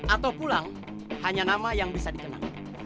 atau pulang hanya nama yang bisa dikenal